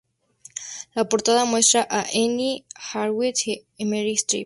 La portada muestra a Anne Hathaway y a Meryl Streep.